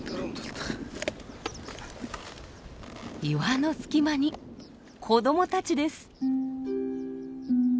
岩の隙間に子どもたちです！